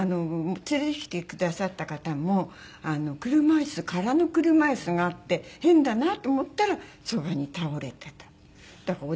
連れてきてくださった方も車椅子空の車椅子があって変だなと思ったらそばに倒れてたの。